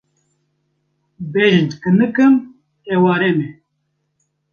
Bejn kinik im, eware me.